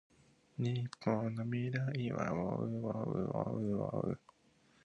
日本の未来はうぉううぉううぉううぉう